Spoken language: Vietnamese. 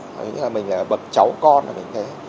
nếu như là mình bậc cháu con mình thấy